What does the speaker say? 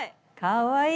かわいい！